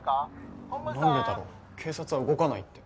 なんでだろ警察は動かないって。